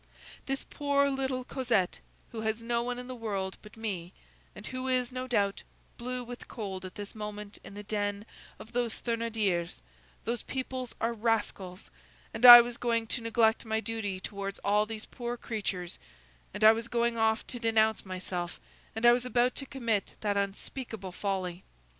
This poor little Cosette who has no one in the world but me, and who is, no doubt, blue with cold at this moment in the den of those Thénardiers; those peoples are rascals; and I was going to neglect my duty towards all these poor creatures; and I was going off to denounce myself; and I was about to commit that unspeakable folly!